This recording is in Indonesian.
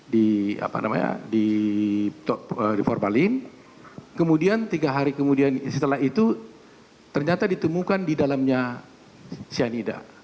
di apa namanya di forbalin kemudian tiga hari kemudian setelah itu ternyata ditemukan di dalamnya cyanida